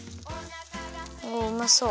おおうまそう。